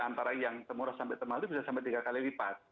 di antara yang semurah sampai tempat itu bisa sampai tiga kali lipat